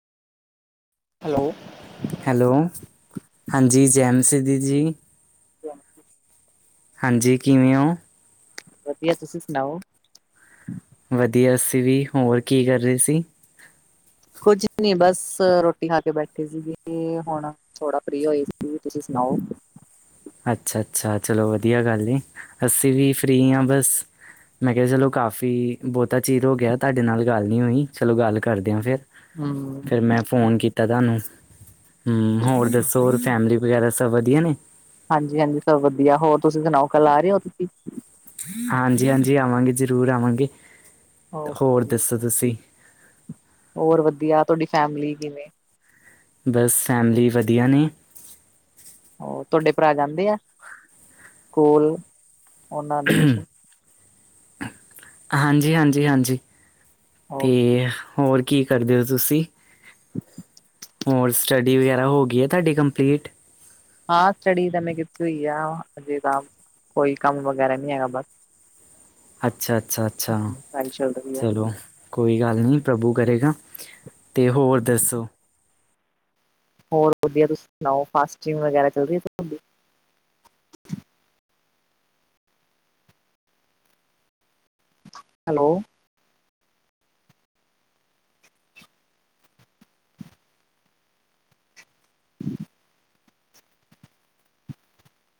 Hello hello ਹਾਂਜੀ ਜੈ ਮਸੀ ਦੀ ਜੀ। ਹਾਂਜੀ। ਕਿਵੇਂ ਓ। ਵਧੀਆ ਤੁਸੀਂ ਸੁਣਾਓ। ਵਧੀਆ ਅਸੀਂ ਵੀ ਹੋਰ ਕੀ ਕਰ ਰਹੇ ਸੀ। ਕੁੱਝ ਨਹੀਂ ਬਸ ਰੋਟੀ ਖਾ ਕੇ ਬੈਠੇ ਸੀਗੇ ਹੁਣਾ। ਥੋੜਾ ਫਰੀ ਹੋਈ ਸੀ ਤੁਸੀਂ ਸੁਣਾਓ। ਅੱਛਾ- ਅੱਛਾ ਚਲੋ ਵਧੀਆ ਗੱਲ ਅਸੀਂ ਵੀ ਫ੍ਰਰੀ ਹਾਂ ਬਸ। ਮੈਂ ਕਿਹਾ ਚਲੋ ਕਾਫ਼ੀ ਬਹੁਤਾ ਚੀਰ ਹੋ ਗਿਆ ਤੁਹਾਡੇ ਨਾਲ ਗੱਲ ਨਹੀਂ ਹੋਈ ਚਲੋ ਗੱਲ ਕਰ ਦਿਆਂ। ਫੇਰ ਹੂੰ ਫੇਰ ਮੈਂ ਫੋਨ ਕੀਤਾ ਤੁਹਾਨੂੰ ਹਮ ਹੋਰ ਦੱਸੋ ਹੋਰ ਫੈਮਲੀ। ਵਗੈਰਾ ਸਭ ਵਧੀਆ ਨੇ। ਹਾਂਜੀ - ਹਾਂਜੀ ਸਭ ਵਧੀਆ ਹੋਰ ਤੁਸੀਂ ਸੁਣਾਓ ਕੱਲ ਆ ਰਹੇ ਹੋ ਤੁਸੀਂ। ਹਾਂਜੀ-ਹਾਂਜੀ ਆਵਾਂਗੇ ਜ਼ਰੂਰ ਆਵਾਂਗੇ ਹੋਰ ਓਕੇ ਦੱਸੋ ਤੁਸੀਂ। ਹੋਰ ਵਧੀਆ ਤੁਹਾਡੀ ਫੈਮਿਲੀ ਕਿਵੇਂ ਬਸ ਫੈਮਲੀ ਵਧੀਆ ਨੇ। ਹੋ ਤੁਹਾਡੇ ਭਰਾ ਜਾਂਦੇ ਆ ਸਕੂਲ ਉਹਨਾਂ ਐਡਮਿਸ਼ਨ। ਹਾਂਜੀ- ਹਾਂਜੀ, ਹਾਂਜੀ ਤੇ ਹੋਰ ਕੀ ਕਰਦੇ ਓ ਤੁਸੀਂ? ਹੋਰ ਸਟੱਡੀ ਵਗੈਰਾ ਹੋ ਗਈ ਏ ਤਾਡੀ ਕੰਪਲੀਟ? ਹਾਂ। ਸਟੱਡੀ ਤਾਂ ਮੈਂ ਕਿਤੀ ਹੋਈ ਆ ਅਜੇ ਤਾਂ ਕੋਈ ਕੰਮ ਵਗੈਰਾ ਨੀ ਹੈਗਾ ਬਸ ਅੱਛਾ- ਅੱਛਾ, ਅੱਛਾ ਪੜ੍ਹਾਈ ਚੱਲ ਰਹੀ ਹੈ ਚਲੋ ਕੋਈ ਗੱਲ ਨੀ ਪ੍ਰਭੂ ਕਰੇਗਾ। ਤੇ ਹੋਰ ਦੱਸੋ ਹੋਰ ਵਦੀਆ, ਤੁਸੀਂ ਸੁਨਾਓ ਫਾਸਟਿੰਗ ਵਗੈਰਾ ਚੱਲਰੀਏ ਤੁਹਾਡੀ? ਹੈਲੋ [inaudible]